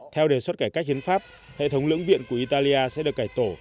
theo đề xuất cải cách hiến pháp hệ thống lưỡng viện của italia sẽ được cải tổ